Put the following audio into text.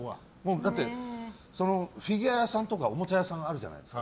だってフィギュア屋さんとかおもちゃ屋さんがあるじゃないですか。